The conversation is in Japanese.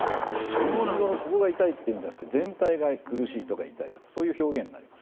心臓のここが痛いんじゃなくて全体が痛いとか苦しいとかそういう表現になります。